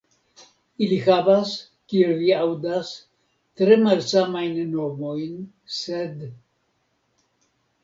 Ili havas, kiel vi aŭdas, tre malsamajn nomojn, sed..